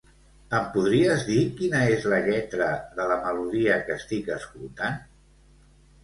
Em podries dir quina és la lletra de la melodia que estic escoltant?